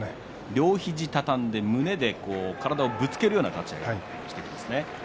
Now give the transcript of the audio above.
両肘を畳んで胸をぶつけるような立ち合いですね。